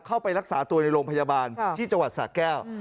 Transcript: เข้าไปรักษาตัวในโรงพยาบาลที่จังหวัดสะแก้ว